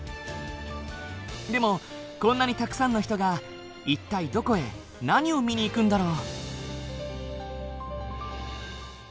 でもこんなにたくさんの人が一体どこへ何を見に行くんだろう？